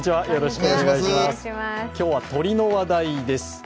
今日は鳥の話題です。